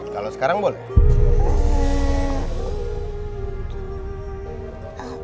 kalau sekarang boleh